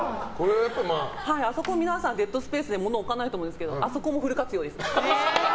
あそこ、デッドスペースで皆さん物を置かないと思うんですけどあそこもフル活用です。